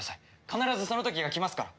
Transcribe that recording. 必ずその時が来ますから。